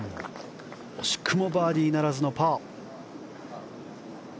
惜しくもバーディーならずのパー。